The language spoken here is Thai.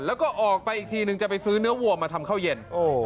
แล้วก็ออกไปอีกทีนึงจะไปซื้อเนื้อวัวมาทำข้าวเย็น